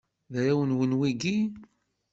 D arraw-nwen wigi?